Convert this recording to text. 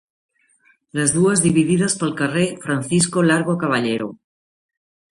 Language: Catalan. Les dos dividides pel carrer Francisco Largo Caballero.